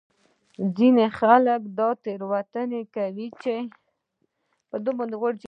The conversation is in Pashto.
ځینې خلک دا تېروتنه کوي چې